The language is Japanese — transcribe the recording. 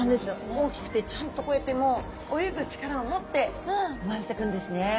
大きくてちゃんとこうやってもう泳ぐ力を持って産まれてくるんですね。